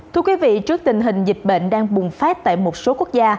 thưa quý vị trước tình hình dịch bệnh đang bùng phát tại một số quốc gia